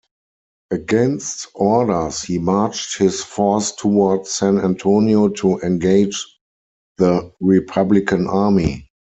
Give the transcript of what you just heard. Against orders, he marched his force toward San Antonio to engage the Republican Army.